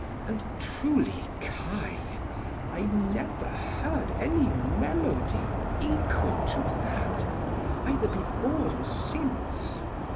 And truly, Kai, I never heard any melody equal to that, either before or since.